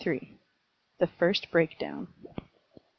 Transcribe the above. THE FIRST BREAK DOWN.